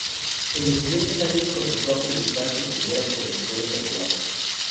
En los siguientes años, comenzó a publicar sus primeras colecciones de relatos.